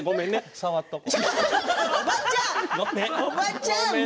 触っとこ。